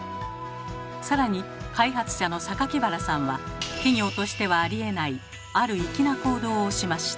更に開発者の原さんは企業としてはありえないある粋な行動をしました。